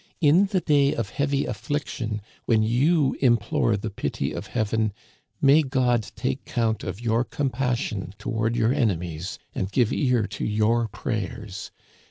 In the day of heavy affliction, when you implore the pity of Heaven, may God take count of your compassion toward your enemies and give ear to your prayers